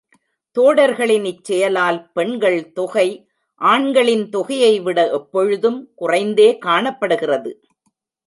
தோடர்களின் இச்செயலால் பெண்கள் தொகை ஆண்களின் தொகையைவிட எப் பொழுதும் குறைந்தே காணப்படுகிறது.